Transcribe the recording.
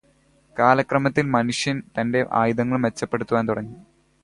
കാലക്രമത്തിൽ മനുഷ്യൻ തന്റെ ആയുധങ്ങൾ മെച്ചപ്പെടുത്തുവാൻ തുടങ്ങി.